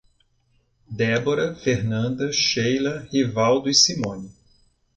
Débora, Fernanda, Sheila, Rivaldo e Simone